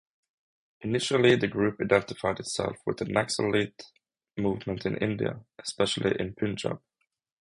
Initially the group identified itself with the Naxalite movement in India, especially in Punjab.